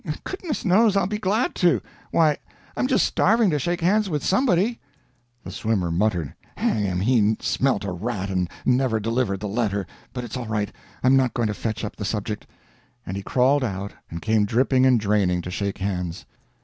"Goodness knows I'll be glad to! Why, I'm just starving to shake hands with somebody!" The swimmer muttered, "Hang him, he smelt a rat and never delivered the letter! but it's all right, I'm not going to fetch up the subject." And he crawled out and came dripping and draining to shake hands.